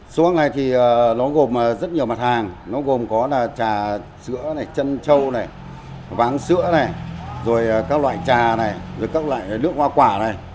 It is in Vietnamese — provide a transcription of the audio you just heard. số hàng này thì nó gồm rất nhiều mặt hàng nó gồm có là trà sữa chân trâu váng sữa rồi các loại trà rồi các loại nước hoa quả này